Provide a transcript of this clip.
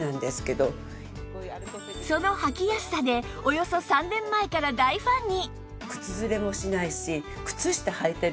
その履きやすさでおよそ３年前から大ファンに